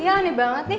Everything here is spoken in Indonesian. iya aneh banget nih